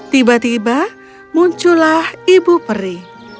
tiba tiba muncullah ibu peri